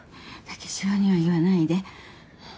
武四郎には言わないで